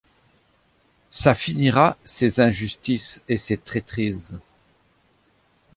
Ça finira, ces injustices et ces traîtrises!